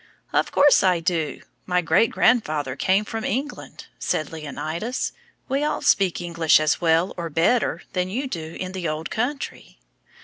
"Of course I do! my great grandfather came from England," said Leonidas; "we all speak English as well, or better, than you do in the old country."